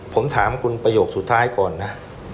ผมถามคุณประโยคสุดท้ายก่อนนะ